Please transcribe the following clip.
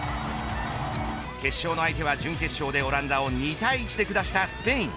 決勝の相手は準決勝でオランダを２対１で下したスペイン。